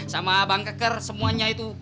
sama bank keker semuanya itu